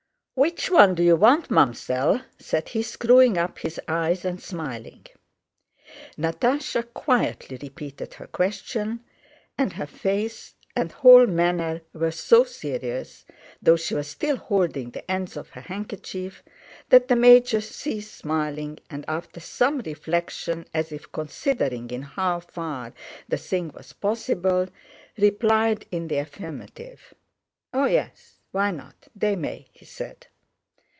"Which one do you want, Ma'am'selle?" said he, screwing up his eyes and smiling. Natásha quietly repeated her question, and her face and whole manner were so serious, though she was still holding the ends of her handkerchief, that the major ceased smiling and after some reflection—as if considering in how far the thing was possible—replied in the affirmative. "Oh yes, why not? They may," he said.